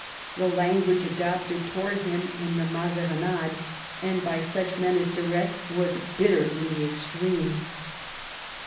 The language adopted towards him in the Mazarinades and by such men as de Eetz was bitter in the extreme.